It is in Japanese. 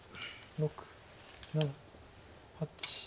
６７８。